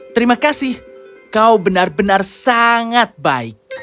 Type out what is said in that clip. terima kasih kau benar benar sangat baik